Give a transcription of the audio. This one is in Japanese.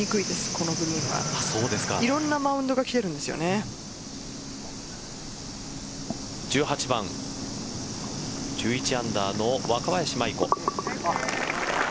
このグリーンはいろんなマウンドが１８番１１アンダーの若林舞衣子。